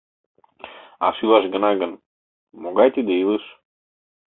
А шӱлаш гына гын, могай тиде илыш?